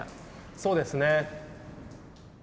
そうですね。